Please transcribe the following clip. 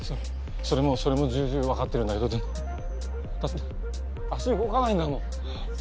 それもそれも重々わかってるんだけどでもだって足動かないんだもん。